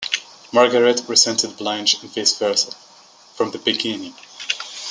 Margaret resented Blanche and vice versa from the beginning.